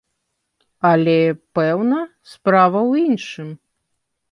Але, пэўна, справа ў іншым.